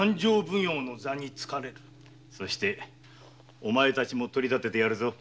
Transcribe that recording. そしてお前たちも取り立ててやるぞ。